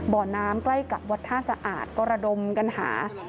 บ่อน้ำใกล้กับวัดท่าสะอาดก็ระดมกันหา